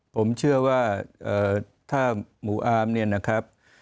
ผมเชื่อว่าถ้าหมู่อาร์มเนี่ยนะครับ